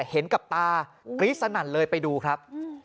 เห็นกับตากรี๊ดสนั่นเลยไปดูครับ